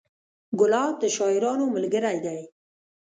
ګلاب د شاعرانو ملګری دی.